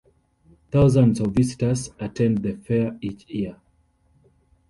Thousands of visitors attend the Fair each year.